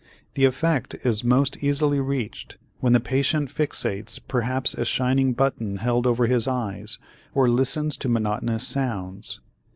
The effect is most easily reached when the patient fixates perhaps a shining button held over his eyes or listens to monotonous sounds.